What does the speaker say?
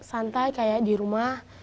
santai kayak di rumah